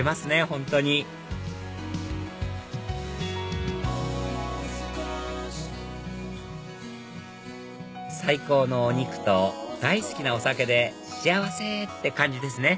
本当に最高のお肉と大好きなお酒で幸せ！って感じですね